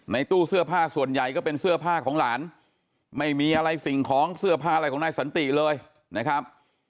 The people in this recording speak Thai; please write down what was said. ตู้เสื้อผ้าส่วนใหญ่ก็เป็นเสื้อผ้าของหลานไม่มีอะไรสิ่งของเสื้อผ้าอะไรของนายสันติเลยนะครับ